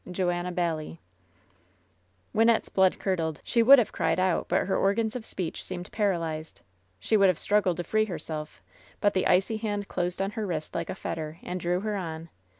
— Joanna Baillib. Wynnettb's blood curdled. She would have cried out, but her organs of speech seemed paralyzed. She would have struggled to free herself, but the icy hand closed on her wrist like a fetter, and drew her on.